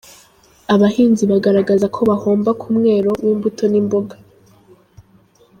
Abahinzi bagaragaza ko bahomba ku mwero w’imbuto n’imboga.